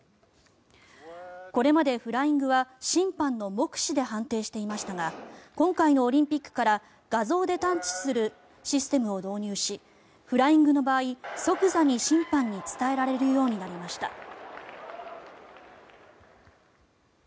これまでフライングは審判の目視で判定していましたが今回のオリンピックから画像で探知するシステムを導入しフライングの場合、即座に審判に伝えられるようになりました。